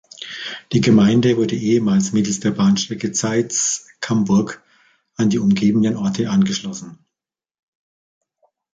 Die Gemeinde wurde ehemals mittels der Bahnstrecke Zeitz–Camburg an die umgebenden Orte angeschlossen.